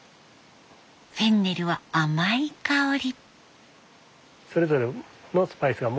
フェンネルは甘い香り。